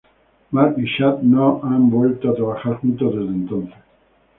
Mark y Chad no han vuelto a trabajar juntos desde entonces.